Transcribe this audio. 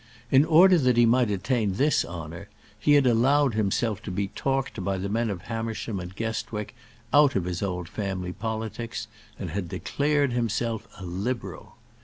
In order that he might attain this honour he had allowed himself to be talked by the men of Hamersham and Guestwick out of his old family politics, and had declared himself a Liberal.